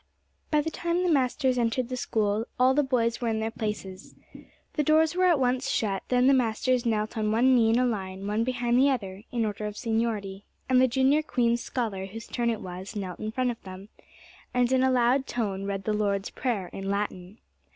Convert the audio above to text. By the time the masters entered the School all the boys were in their places. The doors were at once shut, then the masters knelt on one knee in a line, one behind the other, in order of seniority, and the Junior Queen's Scholar whose turn it was knelt in front of them, and in a loud tone read the Lord's Prayer in Latin.